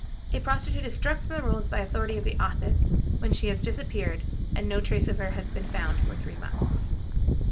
A prostitute is struck from the rolls by authority of the office when she has disappeared, and no trace of her has been found for three months.